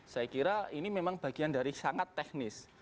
saya kira ini memang bagian dari sangat teknis